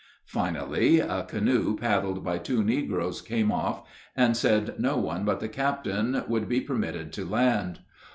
Finally a canoe paddled by two negroes came off, and said no one but the captain would be permitted to land.